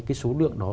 cái số lượng đó